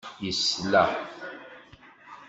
Yesla.